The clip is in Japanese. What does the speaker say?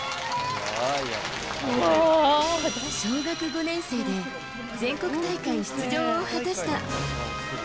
小学５年生で全国大会出場を果たした。